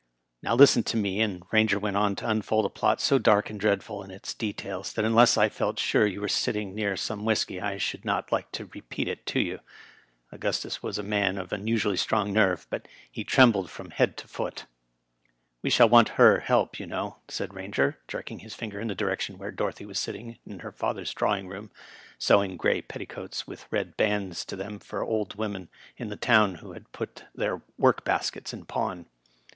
Now, listen to me," and Bainger went on to unfold a plot so dark and dreadful in its details that unless I felt sure you were sitting near some whisky I should not like to repeat it to you. Augustus was a man of imusually strong nerve, but Tie trembled from head to foot. " We shall want Her help, you know," said Eainger, jerking his finger in the direction where Dorothy was sit ting in her father's drawing room, sewing gray petticoats with red bands to them for old women in the town who had put their work baskets in pawn.